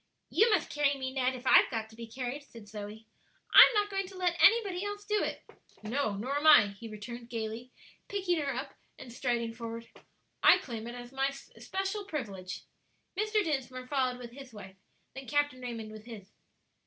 "You must carry me, Ned, if I've got to be carried," said Zoe; "I'm not going to let anybody else do it." "No; nor am I," he returned, gayly, picking her up and striding forward. "I claim it as my especial privilege." Mr. Dinsmore followed with his wife, then Captain Raymond with his.